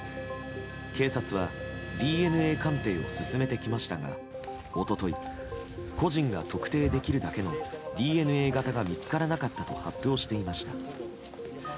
警察はＤＮＡ鑑定を進めてきましたが一昨日、個人が特定できるだけのＤＮＡ型が見つからなかったと発表していました。